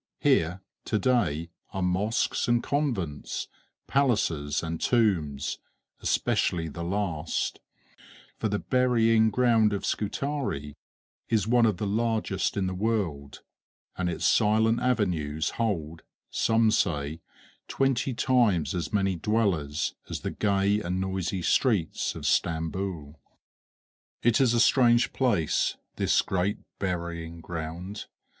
Here, to day, are mosques and convents, palaces and tombs, especially the last; for the burying ground of Scutari is one of the largest in the world, and its silent avenues hold, some say, twenty times as many dwellers as the gay and noisy streets of Stamboul. It is a strange place, this great burying ground.